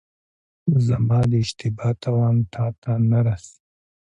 زما د اشتبا تاوان تاته نه رسي.